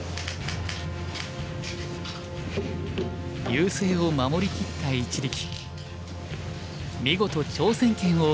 優勢を守りきった一力。